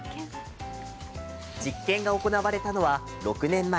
実験が行われたのは６年前。